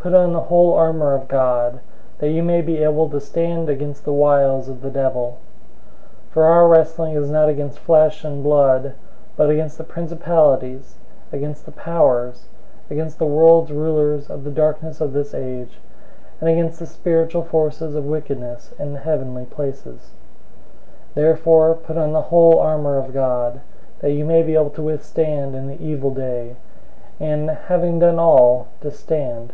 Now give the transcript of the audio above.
006:011 Put on the whole armor of God, that you may be able to stand against the wiles of the devil. 006:012 For our wrestling is not against flesh and blood, but against the principalities, against the powers, against the world's rulers of the darkness of this age, and against the spiritual forces of wickedness in the heavenly places. 006:013 Therefore, put on the whole armor of God, that you may be able to withstand in the evil day, and, having done all, to stand.